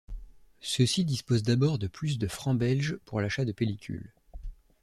Ceux-ci disposent d'abord de plus de francs belges pour l'achat de pellicule.